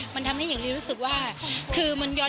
มันทำให้หญิงลีรู้สึกว่าคือมันย้อน